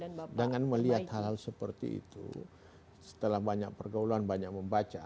ya dengan melihat hal hal seperti itu setelah banyak pergaulan banyak membaca